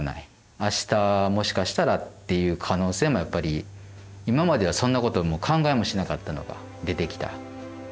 明日もしかしたらっていう可能性もやっぱり今まではそんなこと考えもしなかったのが出てきた。